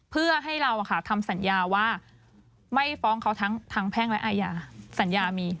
เพื่อให้เราทำสัญญาว่าไม่ฟ้องเขาทั้งแพ่งและอาญาสัญญามี